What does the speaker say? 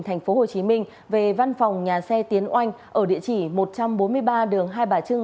thành phố hồ chí minh về văn phòng nhà xe tiến oanh ở địa chỉ một trăm bốn mươi ba đường hai bà trưng